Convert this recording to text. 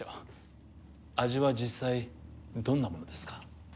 味は実際どんなものですか？